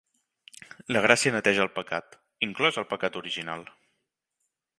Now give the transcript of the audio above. La gràcia neteja el pecat, inclòs el pecat original.